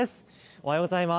おはようございます。